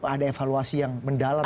ada evaluasi yang mendalam